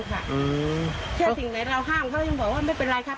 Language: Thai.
แค่สิ่งไหนเราห้ามเขายังบอกว่าไม่เป็นไรครับ